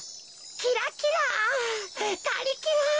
キラキラガリキラ。